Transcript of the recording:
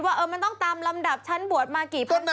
ว่ามันต้องตามลำดับฉันบวชมากี่พวก